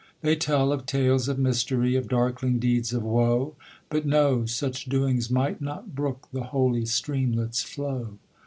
They tell of tales of mystery, Of darkling deeds of woe; But no! such doings might not brook The holy streamlet's flow.